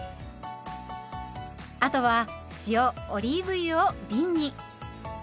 あとは塩オリーブ油をびんに。